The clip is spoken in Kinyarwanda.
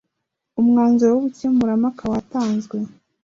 umwanzuro w ‘ubukemurampaka watanzwe.